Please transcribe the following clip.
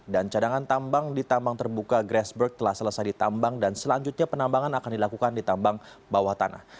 dan cadangan tambang di tambang terbuka grassberg telah selesai ditambang dan selanjutnya penambangan akan dilakukan di tambang bawah tanah